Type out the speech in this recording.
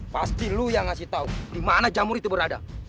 pasti lu yang ngasih tahu di mana jamur itu berada